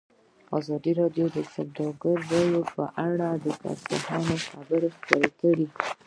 ازادي راډیو د سوداګري په اړه د کارپوهانو خبرې خپرې کړي.